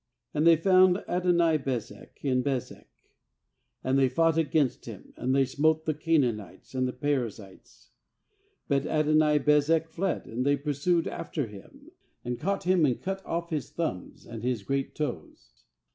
6And they found Adoni bezek in Be zek; and they fought against him, and they smote the Canaanites and the Perizzites. 6But Adoni bezek fled ; and they pursued after him, and caught turn, and cut off his thumbs and his great toes.